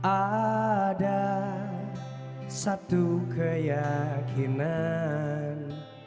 ada satu keyakinan